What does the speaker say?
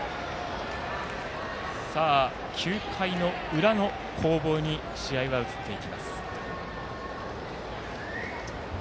９回の裏の攻防に試合が移っていきます。